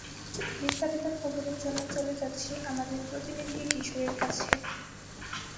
বিস্তারিত খবরের জন্য চলে যাচ্ছি, আমাদের প্রতিনিধি কিশোরের কাছে।